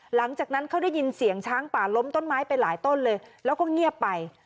หลังจากนั้นเขาได้ยินเสียงช้างป่าล้มต้นไม้ไปหลายต้นเลยแล้วก็เงียบไป